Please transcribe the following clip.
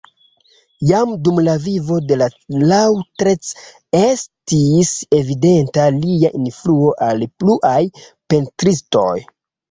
Jam dum la vivo de Lautrec estis evidenta lia influo al pluaj pentristoj.